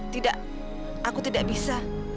tidak aku tidak bisa